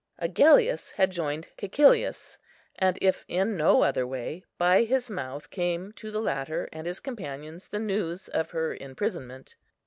Agellius had joined Cæcilius, and, if in no other way, by his mouth came to the latter and his companions the news of her imprisonment.